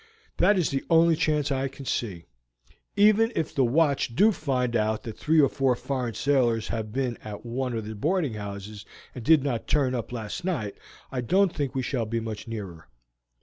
That is the only chance I see. Even if the watch do find out that three or four foreign sailors have been at one of the boarding houses and did not turn up last night, I don't think we shall be much nearer.